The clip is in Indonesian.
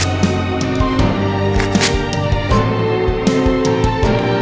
aku menguat si caca